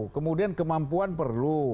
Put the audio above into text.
kemudian kemampuan perlu